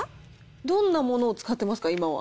どんなものを使ってますか、今は。